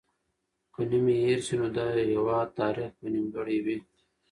که نوم یې هېر سي، نو د هېواد تاریخ به نیمګړی وي.